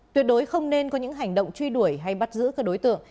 tuyệt đối không nên có những hành động truy đuổi hay bắt giữ các đối tượng